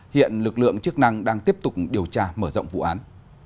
hiện lực lượng chức năng đang tiếp tục điều tra mở rộng vụ án